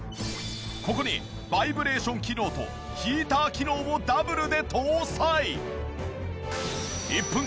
ここにバイブレーション機能とヒーター機能をダブルで搭載！